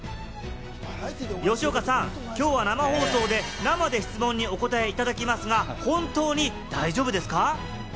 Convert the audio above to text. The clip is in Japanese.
吉岡さん、きょうは生放送で生で質問にお答えいただきますが、本当に大丈夫ですか？